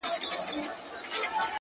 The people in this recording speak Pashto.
هوډ د سختو ورځو ملګری دی!